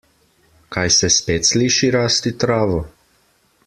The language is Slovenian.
Kaj se spet sliši rasti travo?